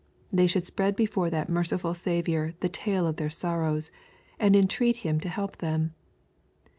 They should spread before that merciful Saviour the tale of their sorrows, and entreat Him to help them.